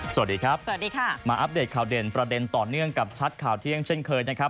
สวัสดีครับสวัสดีค่ะมาอัปเดตข่าวเด่นประเด็นต่อเนื่องกับชัดข่าวเที่ยงเช่นเคยนะครับ